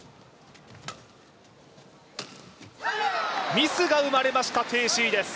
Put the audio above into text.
ミスが生まれました、鄭思緯です。